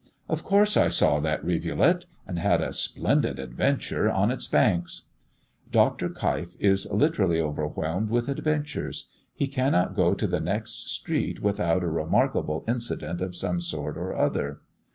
"Of course I saw that rivulet, and had a splendid adventure on its banks." Dr. Keif is literally overwhelmed with adventures. He cannot go to the next street without a remarkable incident of some sort or other.